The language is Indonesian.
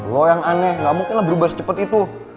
lo yang aneh gak mungkin lah berubah secepet itu